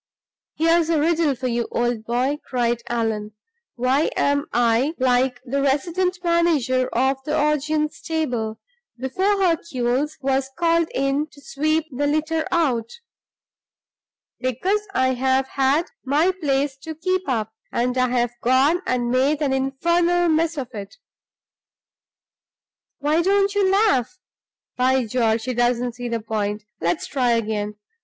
"Here's a riddle for you, old boy!" cried Allan. "Why am I like the resident manager of the Augean stable, before Hercules was called in to sweep the litter out? Because I have had my place to keep up, and I've gone and made an infernal mess of it! Why don't you laugh? By George, he doesn't see the point! Let's try again.